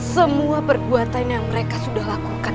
semua perbuatan yang mereka sudah lakukan